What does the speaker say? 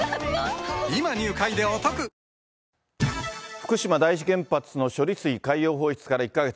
福島第一原発の処理水海洋放出から１か月。